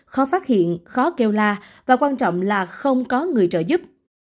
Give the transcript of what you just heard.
khó phát hiện khó kêu la và quan trọng là không có người trợ giúp